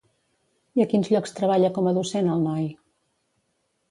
I a quins llocs treballa com a docent el noi?